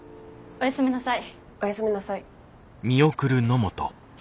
おやすみなさい。